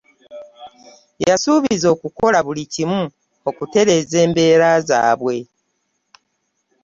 Yasuubiza okukola buli kimu okutereeza embeera zaabwe.